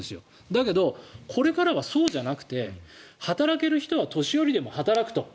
だけどこれからはそうじゃなくて働ける人は年寄りでも働くと。